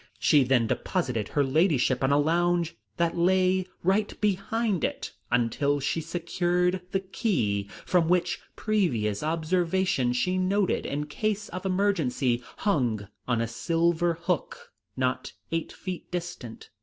She then deposited her ladyship on a lounge that lay right behind it until she secured the key which from previous observation she noted, in case of emergency, hung on a silver hook not eight feet distant.